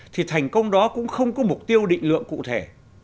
thì thành công đó cũng không có mục tiêu định lượng cụ thể